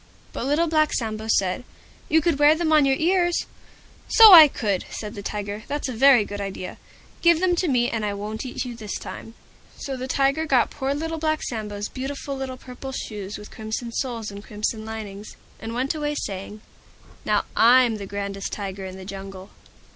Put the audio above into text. But Little Black Sambo said, "You could wear them on your ears." "So I could," said the Tiger: "that's a very good idea. Give them to me, and I won't eat you this time." So the Tiger got poor Little Black Sambo's beautiful little Purple Shoes with Crimson Soles and Crimson Linings, and went away saying, "Now I'm the grandest Tiger in the Jungle."